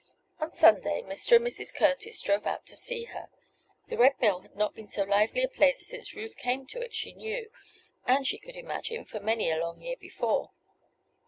On Sunday Mr. and Mrs. Curtis drove out to see her. The Red Mill had not been so lively a place since Ruth came to it, she knew, and, she could imagine; for many a long year before.